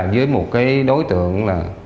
với một đối tượng